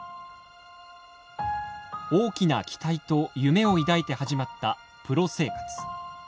大きな期待と夢を抱いて始まったプロ生活。